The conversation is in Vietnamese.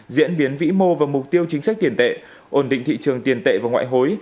diễn biến vĩ mô và mục tiêu chính sách tiền tệ ổn định thị trường tiền tệ và ngoại hối